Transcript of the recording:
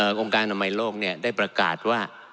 องค์การอำนาจมายโลกเนี่ยได้ประกาศว่า